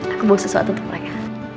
aku buang sesuatu untuk mereka